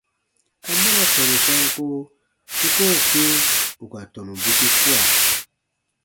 Amɔna tɔnu sanko u koo kpĩ ù ka tɔnu bwisi kua?